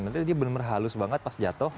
nanti dia benar benar halus banget pas jatuh